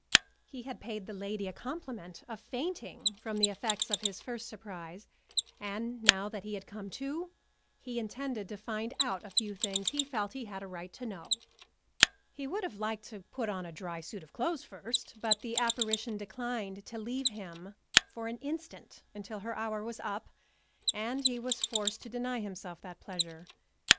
He had paid the lady the compliment of fainting from the effects of his first surprise, and now that he had come to he intended to find out a few things he felt he had a right to know. He would have liked to put on a dry suit of clothes first, but the apparition declined to leave him for an instant until her hour was up, and he was forced to deny himself that pleasure.